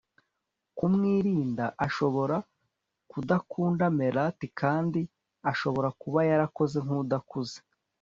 kumwirinda. ashobora kudakunda melat kandi ashobora kuba yarakoze nkudakuze